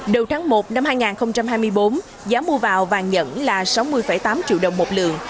đầu tháng một năm hai nghìn hai mươi bốn giá mua vào vàng nhẫn là sáu mươi tám triệu đồng một lượng